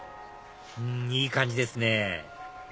いい感じですね